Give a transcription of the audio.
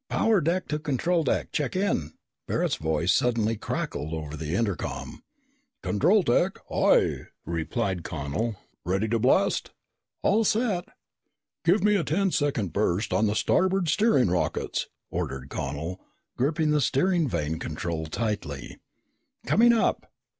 "Power deck to control deck, check in!" Barret's voice suddenly crackled over the intercom. "Control deck, aye," replied Connel. "Ready to blast?" "All set!" "Give me a ten second burst on the starboard steering rockets," ordered Connel, gripping the steering vane control tightly. "Coming up!"